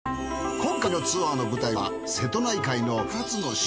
今回のツアーの舞台は瀬戸内海の２つの島。